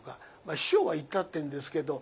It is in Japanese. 師匠は言ったってんですけどまあ